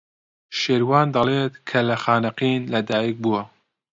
شێروان دەڵێت کە لە خانەقین لەدایک بووە.